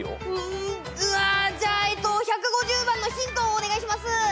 うわじゃあ１５０番のヒントをお願いします。